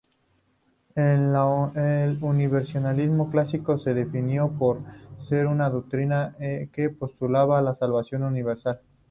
El universalismo clásico se definió por ser una doctrina que postulaba la salvación universal.